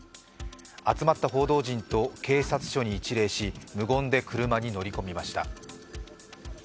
集まった報道陣と警察署に一礼し無言で車に乗り込みました。